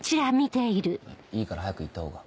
いいから早く行った方が。